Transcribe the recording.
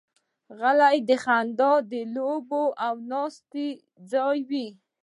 غلۍ د خندا، لوبو او ناستې ځای وي.